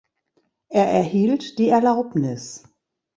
Er erhielt die Erlaubnis.